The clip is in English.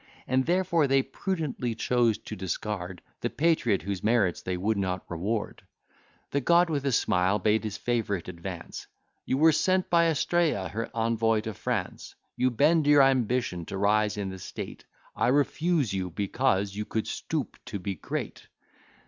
And therefore they prudently chose to discard The Patriot, whose merits they would not reward: The God, with a smile, bade his favourite advance, "You were sent by Astraea her envoy to France: You bend your ambition to rise in the state; I refuse you, because you could stoop to be great."